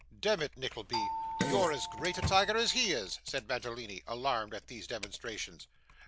'Demmit, Nickleby, you're as great a tiger as he is,' said Mantalini, alarmed at these demonstrations.